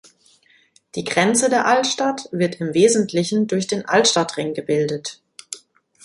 Die Grenze der Altstadt wird im Wesentlichen durch den Altstadtring gebildet.